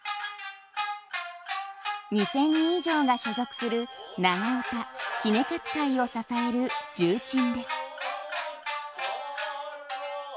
２，０００人以上が所属する長唄杵勝会を支える重鎮です。